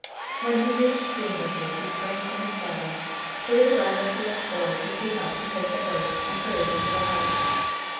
When he reached Greenbushes, he sprang from his saddle, threw the bridle to a boy who came up to take the horse, and hurried into the house.